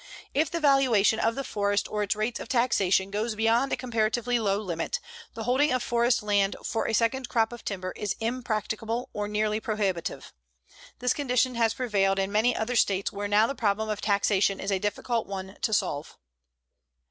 If the valuation of the forest or its rates of taxation goes beyond a comparatively low limit, the holding of forest land for a second crop of timber is impracticable or nearly prohibitive. This condition has prevailed in many other States where now the problem of taxation is a difficult one to solve.